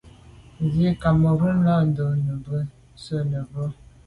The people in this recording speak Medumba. Ndzî Cameroun là'də̌ nù bìn à' tswə́ mə̀bró.